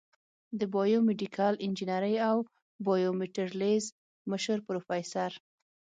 د بایو میډیکل انجینرۍ او بایومیټریلز مشر پروفیسر